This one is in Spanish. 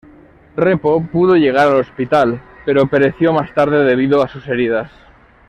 Repo pudo llegar al hospital, pero pereció más tarde debido a sus heridas.